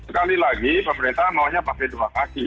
sekali lagi pemerintah maunya pakai dua kaki